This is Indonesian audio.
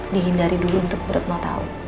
dihindari dulu untuk bu retno tahu